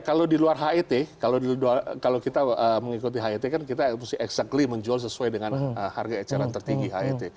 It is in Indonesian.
kalau di luar het kalau kita mengikuti het kan kita mesti exactly menjual sesuai dengan harga eceran tertinggi het